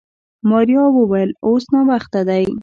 ماريا وويل اوس ناوخته دی.